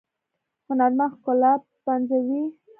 هنرمند ښکلا پنځوي